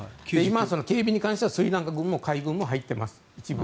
警備に関してはスリランカの海軍も入っています。